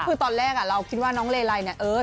คือตอนแรกเราคิดว่าน้องเลไลเนี่ยเออ